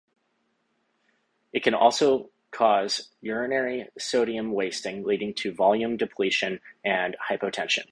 It can also cause urinary sodium wasting, leading to volume depletion and hypotension.